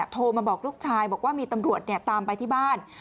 โทรมาบอกลูกชายบอกว่ามีตำรวจตามไปที่บ้าน